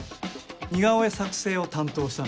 似顔絵作成を担当したのは？